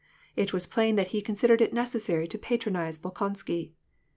It was plain that he considered it necessary to patronize Bolkonsky.